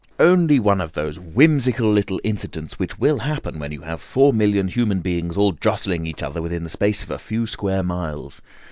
"Only one of those whimsical little incidents which will happen when you have four million human beings all jostling each other within the space of a few square miles.